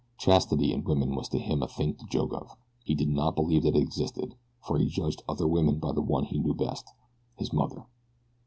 Chastity in woman was to him a thing to joke of he did not believe that it existed; for he judged other women by the one he knew best his mother.